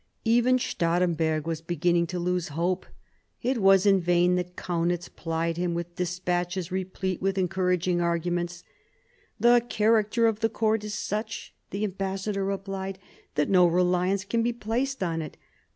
Even Stahremberg was beginning to lose hope. It was in vain that Kaunitz plied hint with despatches replete with en couraging arguments. "The character of the court is such," the ambassador replied, "that no reliance can be placed in it.